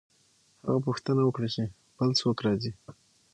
هغه پوښتنه وکړه چې بل څوک راځي؟